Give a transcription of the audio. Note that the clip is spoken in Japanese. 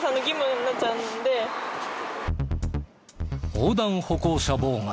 横断歩行者妨害。